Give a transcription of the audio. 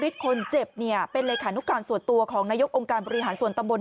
เป็นพฤษการส่วนตัวของนายกองการบริหารส่วนตมนต์